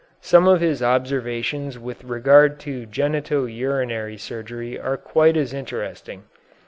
Some of his observations with regard to genito urinary surgery are quite as interesting.